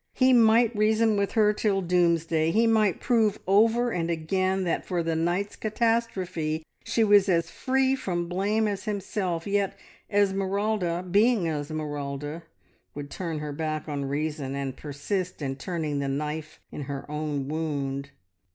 He might reason with her till doomsday, he might prove over and again that for the night's catastrophe she was as free from blame as himself, yet Esmeralda, being Esmeralda, would turn her back on reason and persist in turning the knife in her own wound.